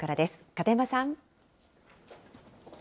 片山さん。